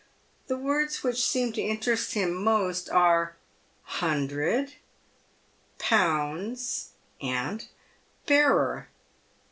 The words which seem to interest him most are " hundred," " pounds," and " bearer."